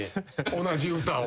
同じ歌を。